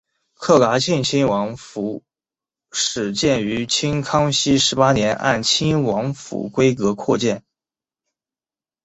喀喇沁亲王府始建于清康熙十八年按亲王府规格扩建。